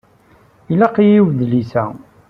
Iqelleq-iyi wedlis-a.